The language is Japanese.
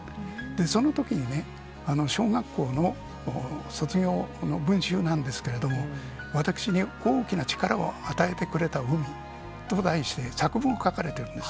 そのときにね、小学校の卒業文集なんですけれども、私に大きな力を与えてくれた海と題して、作文を書かれてるんです。